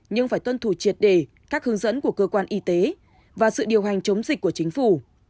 nhưng phải tuân thủ triệt đề các hướng dẫn của cơ quan y tế và sự điều hành chống dịch của chính phủ